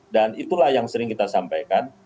dan itulah yang sering kita sampaikan